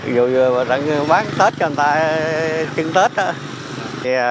dù bán tết cho người ta kiếm tết á